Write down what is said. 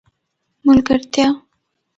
ملګرتیا